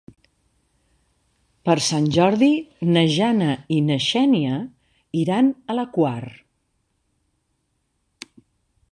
Per Sant Jordi na Jana i na Xènia iran a la Quar.